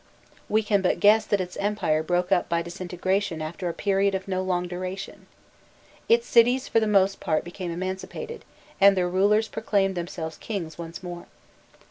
We can but guess that its empire broke up by disintegration after a period of no long duration. Its cities for the most part became emancipated, and their rulers proclaimed themselves kings once more.